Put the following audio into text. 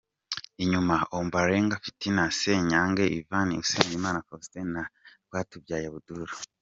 Inyuma: Ombolenga Fitina, Senyange Yvan, Usengimana Faustin na Rwatubyaye Abdul,.